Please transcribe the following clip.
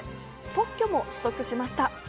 特許も取得しました。